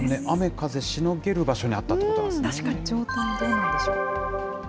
雨、風しのげる場所にあったということなんですね。